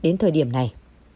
tính đến thời điểm này